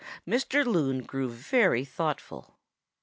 Mr. Loon grew very thoughtful.